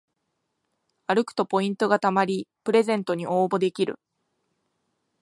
歩くとポイントがたまりプレゼントに応募できる